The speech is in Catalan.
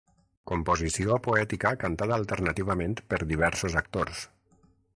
Composició poètica cantada alternativament per diversos actors.